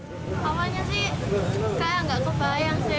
awalnya sih kayak nggak kebayang sih